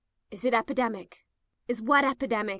"Is it epidemic?" "Is what epidemic?"